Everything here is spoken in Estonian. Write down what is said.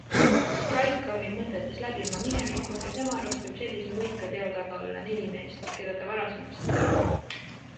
Strike kammib mõtetes läbi oma mineviku ja tema arust võib sellise võika teo taga olla neli meest, keda ta varasemast teab.